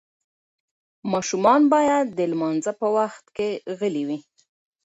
ماشومان باید د لمانځه په وخت کې غلي وي.